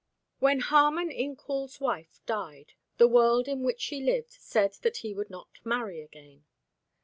When Harmon Incoul's wife died, the world in which he lived said that he would not marry again.